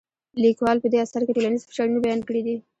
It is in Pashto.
لیکوال په دې اثر کې ټولنیز فشارونه بیان کړي دي.